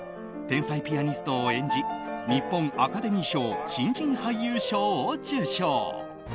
天才ピアニストを演じ日本アカデミー賞新人俳優賞を受賞。